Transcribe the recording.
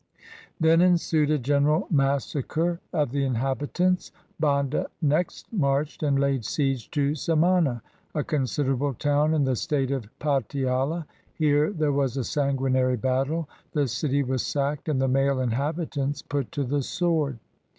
Then ensued a general massacre of the inhabitants. Banda next marched and laid siege to Samana, a considerable town in the state of Patiala. Here there was a sanguinary battle. The city was sacked, and the male inhabi tants put to the sword.